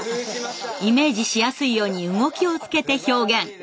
イメージしやすいように動きをつけて表現。